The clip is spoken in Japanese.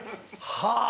はあ。